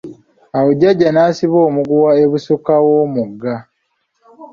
Awo jjaja nasiba omuguwa ebusukka w'omugga.